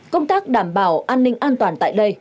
công tác đảm bảo an ninh an toàn tại đây